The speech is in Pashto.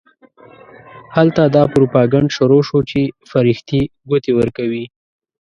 هلته دا پروپاګند شروع شو چې فرښتې ګوتې ورکوي.